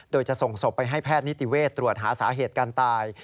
โดยจะส่งศพไปให้แพทย์นิติเวศตรวจหาสาเหตุการตาย